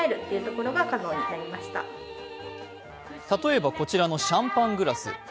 例えば、こちらのシャンパングラス。